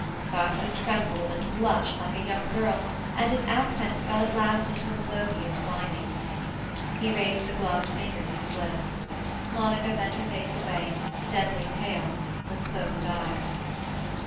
But he trembled and blushed like a young girl, and his accents fell at last into a melodious whining. He raised the gloved fingers to his lips. Monica bent her face away, deadly pale, with closed eyes.